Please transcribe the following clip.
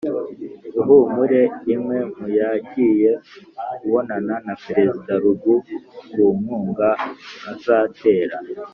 Ihumure rimwe muyagiye kubonana na Perezida Lungu ku nkunga azatera